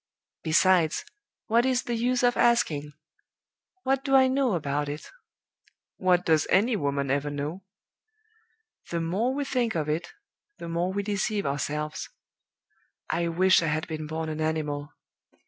Besides, what is the use of asking? What do I know about it? What does any woman ever know? The more we think of it, the more we deceive ourselves. I wish I had been born an animal.